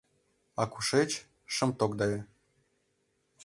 А кушеч — шым тогдае.